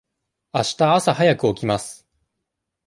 あした朝早く起きます。